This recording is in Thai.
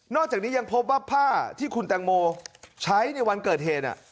จากนี้ยังพบว่าผ้าที่คุณแตงโมใช้ในวันเกิดเหตุ